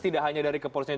tidak hanya dari kepolisian